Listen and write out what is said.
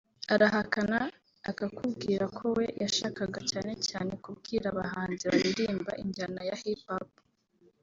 arahakana akakubwira ko we yashakaga cyane cyane kubwira abahanzi baririmba injyana ya Hip Hop